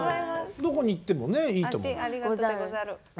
どこに行ってもねいいと思う。